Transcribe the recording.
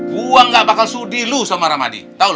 gua ga bakal sudi lu sama rahmadi tau lu